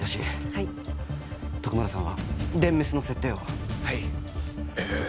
はい徳丸さんは電メスの設定をはいえっ